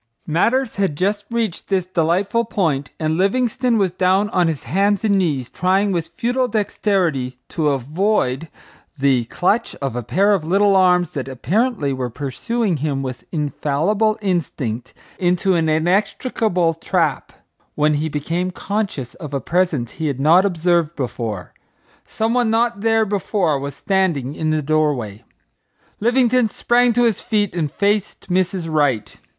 Matters had just reached this delightful point, and Livingstone was down on his hands and knees trying with futile dexterity to avoid the clutch of a pair of little arms that apparently were pursuing him with infallible instinct into an inextricable trap, when he became conscious of a presence he had not observed before. Some one not there before was standing in the doorway. Livingstone sprang to his feet and faced Mrs. Wright.